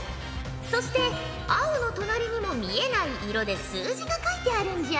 そして青の隣にも見えない色で数字が書いてあるんじゃ。